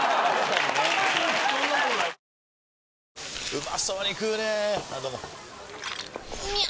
うまそうに食うねぇあどうもみゃう！！